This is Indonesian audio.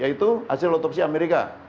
yaitu hasil otopsi amerika